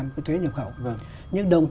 cái thuế nhập khẩu nhưng đồng chí